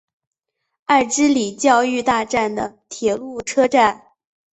爱之里教育大站的铁路车站。